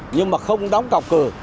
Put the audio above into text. nhưng mà không đóng cọc cử